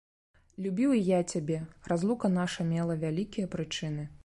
Любіў і я цябе, разлука наша мела вялікія прычыны.